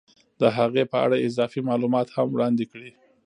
د هغې په اړه اضافي معلومات هم وړاندې کړي